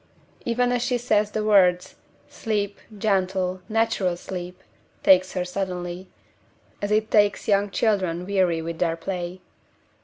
Even as she says the words, sleep, gentle, natural sleep, takes her suddenly, as it takes young children weary with their play.